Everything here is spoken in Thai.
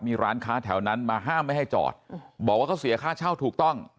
มีร้านค้าแถวนั้นมาห้ามไม่ให้จอดบอกว่าเขาเสียค่าเช่าถูกต้อง